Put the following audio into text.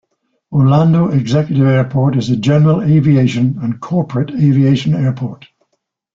Orlando Executive Airport is a general aviation and corporate aviation airport.